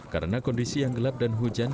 karena kondisi yang gelap dan hujan